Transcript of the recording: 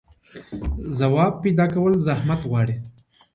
ځواب پيدا کول زحمت غواړي.